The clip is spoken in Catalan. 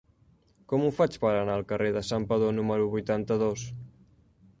Com ho faig per anar al carrer de Santpedor número vuitanta-dos?